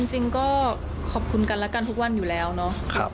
จริงก็ขอบคุณกันและกันทุกวันอยู่แล้วเนาะ